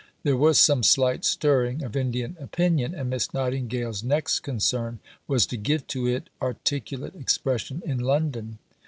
There was some slight stirring of Indian opinion, and Miss Nightingale's next concern was to give to it articulate expression in London.